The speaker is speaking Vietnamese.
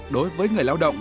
đối với người lao động